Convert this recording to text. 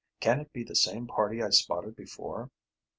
"Can it be the same party I spotted before?"